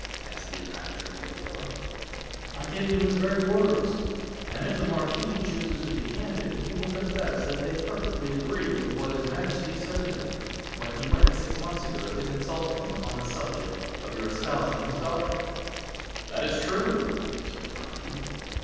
asked the enraptured Villefort. "I give you his very words; and if the marquis chooses to be candid, he will confess that they perfectly agree with what his majesty said to him, when he went six months ago to consult him upon the subject of your espousing his daughter." 0091m "That is true," answered the marquis.